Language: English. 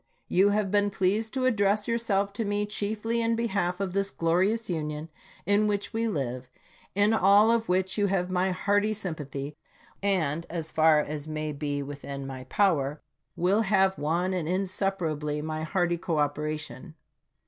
You have been pleased to address yourself to me chiefly in behalf of this glorious Union in which we live, in all of which you have my hearty sym pathy, and, as far as may be within my power, will have, one and inseparably, my hearty cooperation.